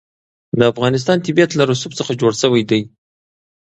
د افغانستان طبیعت له رسوب څخه جوړ شوی دی.